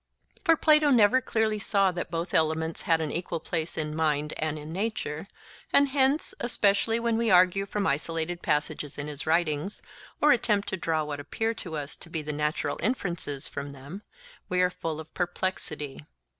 For Plato never clearly saw that both elements had an equal place in mind and in nature; and hence, especially when we argue from isolated passages in his writings, or attempt to draw what appear to us to be the natural inferences from them, we are full of perplexity.